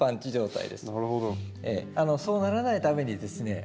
そうならないためにですね